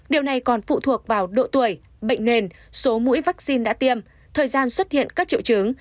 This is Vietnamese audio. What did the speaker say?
điều này còn phụ thuộc vào độ tuổi bệnh nền số mũi vaccine đã tiêm thời gian xuất hiện các triệu chứng